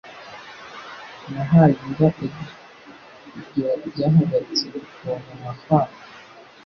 Nahaye imbwa igufwa. Ibyo byahagaritse gutontoma kwayo.